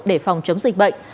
để phòng chống dịch bệnh